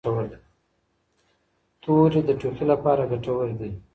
توري د ټوخي لپاره ګټور دي.